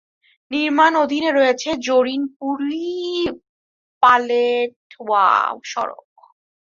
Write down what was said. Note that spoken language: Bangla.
নির্মাণ অধীনে রয়েছে জোরিনপুরই-পালেটওয়া সড়ক।